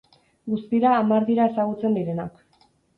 Guztira hamar dira ezagutzen direnak.